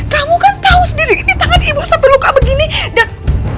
kamu kan tau sendiri ini tangan ibu sampe luka begini dan